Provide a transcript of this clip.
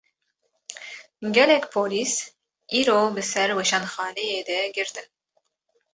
Gelek polîs, îro bi ser weşanxaneyê de girtin